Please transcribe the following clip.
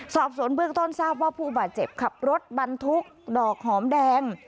สอบสวนเบื้องต้นทราบว่าผู้บาดเจ็บขับรถบรรทุกดอกหอมแดง